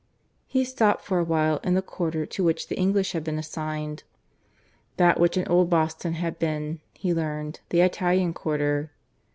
He stopped for a while in the quarter to which the English had been assigned that which in old Boston had been, he learned, the Italian quarter.